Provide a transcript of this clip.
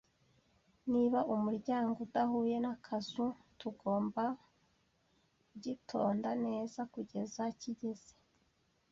Niba umuryango udahuye n'akazu, tugomba kugitonda neza kugeza kigeze.